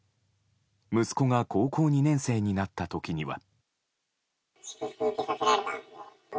息子が高校２年生になった時には。